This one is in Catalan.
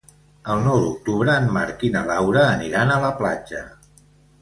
El nou d'octubre en Marc i na Laura aniran a la platja.